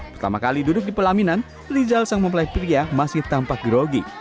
pertama kali duduk di pelaminan rizal sang mempelai pria masih tampak grogi